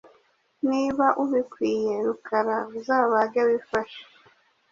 Niba ubibwiye Rukara, uzabage wifashe .